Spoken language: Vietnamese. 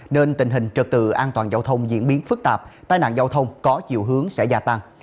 nên tình hình trật tự an toàn giao thông diễn biến phức tạp tai nạn giao thông có chiều hướng sẽ gia tăng